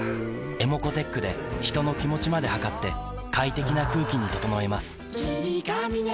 ｅｍｏｃｏーｔｅｃｈで人の気持ちまで測って快適な空気に整えます